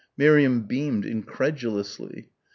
Miriam beamed incredulously.